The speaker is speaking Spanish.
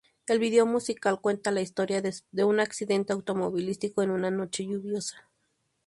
El vídeo musical cuenta la historia de un accidente automovilístico en una noche lluviosa.